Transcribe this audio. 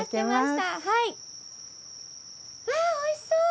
わぁおいしそう！